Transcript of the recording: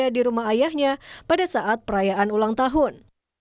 di rumah ayahnya pada saat perayaan ulang tahun